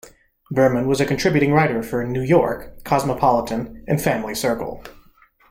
Berman was a contributing writer for "New York", "Cosmopolitan" and "Family Circle".